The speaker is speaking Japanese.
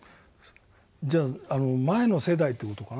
じゃ前の世代って事かな。